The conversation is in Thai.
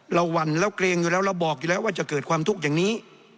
หวั่นเราเกรงอยู่แล้วเราบอกอยู่แล้วว่าจะเกิดความทุกข์อย่างนี้